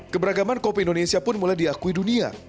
keberagaman kopi indonesia pun mulai diakui dunia